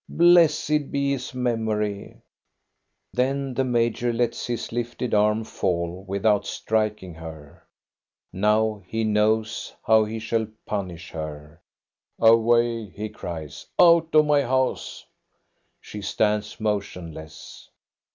Blessed be his memory !'* Then the major lets his lifted arm fall without striking her; now he knows how he shall punish her. " Away !" he cries ;" out of my house !" She stands motionless.